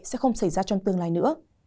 sẽ không xảy ra trong tương lai nữa